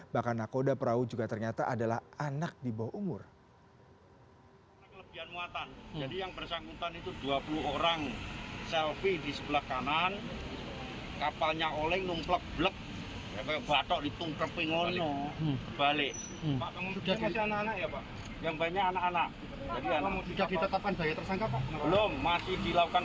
bahkan nakoda perahu juga ternyata adalah anak di bawah umur